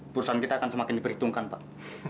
perusahaan kita akan semakin diperhitungkan pak